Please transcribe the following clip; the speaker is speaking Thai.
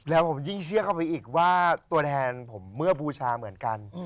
แล้วผมยิ่งเชื่อเข้าไปอีกว่าตัวแทนผมเมื่อบูชาเหมือนกัน